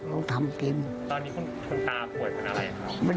ตอนนี้คุณตาปวดเป็นอะไรมะเร็ง